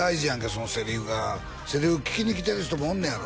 そのセリフがセリフききに来てる人もおんねやろ